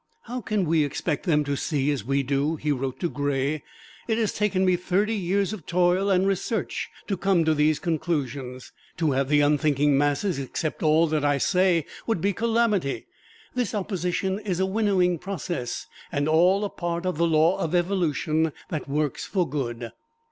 "How can we expect them to see as we do," he wrote to Gray; "it has taken me thirty years of toil and research to come to these conclusions. To have the unthinking masses accept all that I say would be calamity: this opposition is a winnowing process, and all a part of the Law of Evolution that works for good."